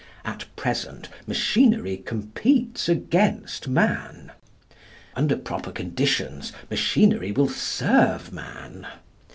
At present machinery competes against man. Under proper conditions machinery will serve man.